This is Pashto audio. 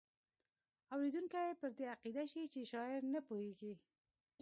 اوریدونکی پر دې عقیده شي چې شاعر نه پوهیږي.